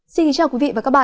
xin chào quý vị và các bạn